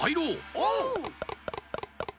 おう！